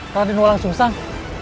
raden walang susang